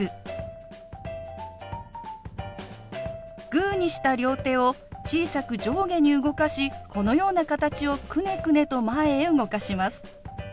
グーにした両手を小さく上下に動かしこのような形をくねくねと前へ動かします。